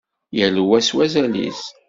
Yal wa s wazal-is.